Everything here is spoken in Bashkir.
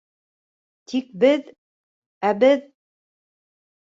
— Тик беҙ... ә беҙ...